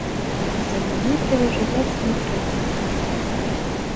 За мяне перажываць не трэба.